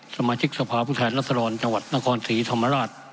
สมาชิกสภาพุทธแหลศรรณจังหวัดนครศรีธรรมราช